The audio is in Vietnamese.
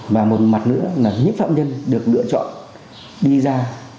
và một mặt nữa là những phạm nhân được lựa chọn đi ra